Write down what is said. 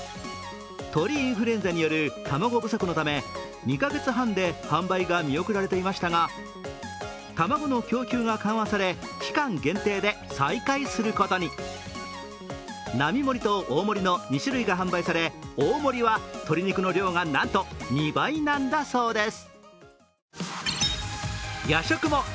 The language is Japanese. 鳥インフルエンザによる卵不足のため２か月半で販売が見送られていましたが、卵の供給が緩和され期間限定で再開することに並盛と大盛りの２種類が販売され大盛は鶏肉の量がなんと２倍なんだそうです。